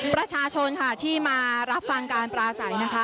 ประชาชนค่ะที่มารับฟังการปลาใสนะคะ